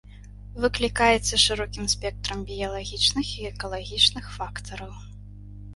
Выклікаецца шырокім спектрам біялагічных і экалагічных фактараў.